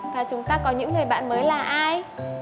và chúng ta có những người bạn mới là ai